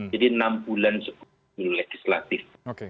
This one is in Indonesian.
jadi enam bulan legislatif